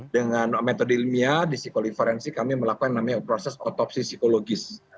dengan metode ilmiah di psikologi forensik kami melakukan namanya proses otopsi psikologis